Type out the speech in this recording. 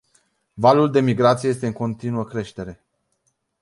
Valul de migrație este în continuă creștere.